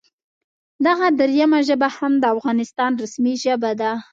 دغه دریمه ژبه هم د افغانستان رسمي ژبه ده